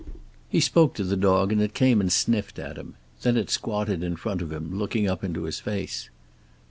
He spoke to the dog, and it came and sniffed at him. Then it squatted in front of him, looking up into his face.